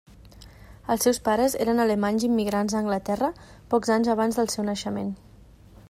Els seus pares eren alemanys immigrats a Anglaterra pocs anys abans del seu naixement.